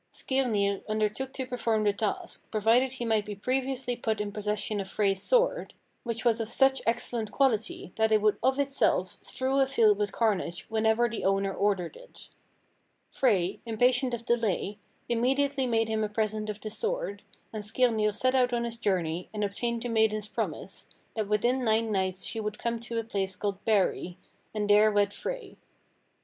Skirnir undertook to perform the task, provided he might be previously put in possession of Frey's sword, which was of such excellent quality that it would of itself strew a field with carnage whenever the owner ordered it. Frey, impatient of delay, immediately made him a present of the sword, and Skirnir set out on his journey and obtained the maiden's promise, that within nine nights she would come to a place called Barey, and there wed Frey.